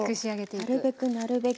なるべくなるべく。